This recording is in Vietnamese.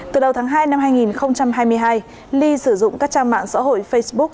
từ đầu tháng hai năm hai nghìn hai mươi hai ly sử dụng các trang mạng xã hội facebook